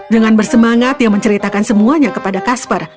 dengan bersemangat dia menceritakan semuanya kepada kasper